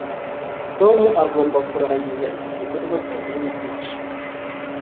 tom agomba kurangiza iki gikorwa saa mbiri nigice